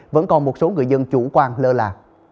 vẫn còn một số người dân chủ quan lơ là